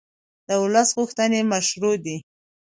د ولس غوښتنې مشروع دي